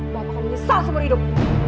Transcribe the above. bapak akan menyesal seumur hidup